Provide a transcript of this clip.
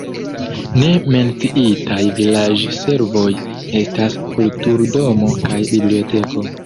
Ne menciitaj vilaĝservoj estas kulturdomo kaj biblioteko.